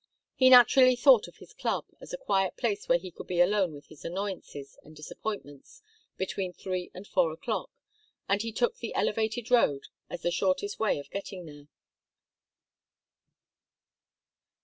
He naturally thought of his club, as a quiet place where he could be alone with his annoyances and disappointments between three and four o'clock, and he took the elevated road as the shortest way of getting there.